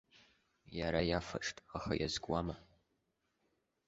Иара иафашт, аха иазкуама?